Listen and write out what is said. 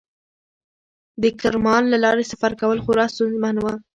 د کرمان له لارې سفر کول خورا ستونزمن و.